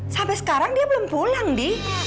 sampai sekarang dia belum pulang nih